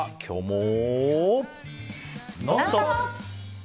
「ノンストップ！」。